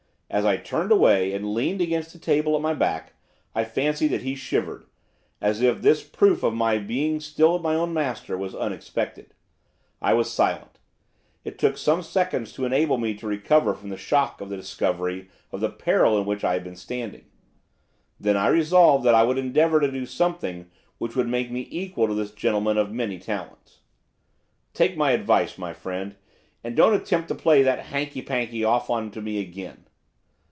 As I turned away, and leaned against the table at my back, I fancy that he shivered, as if this proof of my being still my own master was unexpected. I was silent, it took some seconds to enable me to recover from the shock of the discovery of the peril in which I had been standing. Then I resolved that I would endeavour to do something which should make me equal to this gentleman of many talents. 'Take my advice, my friend, and don't attempt to play that hankey pankey off on to me again.